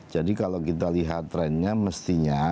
jadi kalau kita lihat trendnya